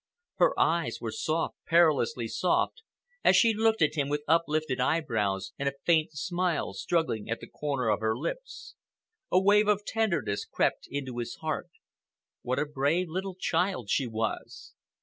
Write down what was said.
Her eyes were soft—perilously soft—as she looked at him with uplifted eyebrows and a faint smile struggling at the corners of her lips. A wave of tenderness crept into his heart. What a brave little child she was!